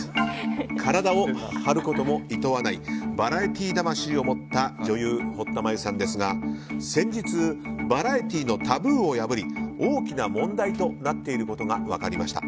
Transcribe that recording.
体を張ることもいとわないバラエティー魂を持った女優・堀田真由さんですが先日、バラエティーのタブーを破り大きな問題となっていることが分かりました。